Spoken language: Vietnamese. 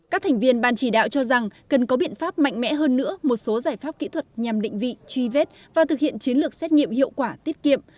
các thành viên ban chỉ đạo cho rằng cần có biện pháp mạnh mẽ hơn nữa một số giải pháp kỹ thuật nhằm định vị truy vết và thực hiện chiến lược xét nghiệm hiệu quả tiết kiệm